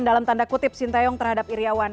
dalam tanda kutip sintayong terhadap iryawan